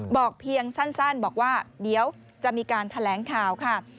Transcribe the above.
บอกเพียงสั้นบอกว่าเดี๋ยวจะมีการแถลงข่าวค่ะ